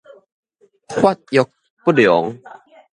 發育不良